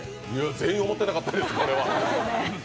全員思ってなかったです、それは。